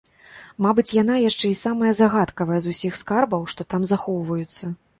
Мабыць, яна яшчэ і самая загадкавая з усіх скарбаў, што там захоўваюцца.